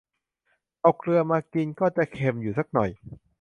เอาเกลือมากินก็จะเค็มอยู่สักหน่อย